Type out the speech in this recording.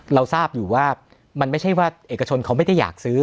เราทราบอยู่ว่ามันไม่ใช่ว่าเอกชนเขาไม่ได้อยากซื้อ